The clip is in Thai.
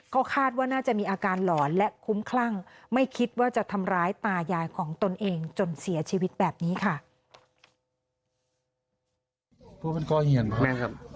ก็คาดว่าน่าจะมีอาการหลอนและคุ้มคลั่งไม่คิดว่าจะทำร้ายตายายของตนเองจนเสียชีวิตแบบนี้ค่ะ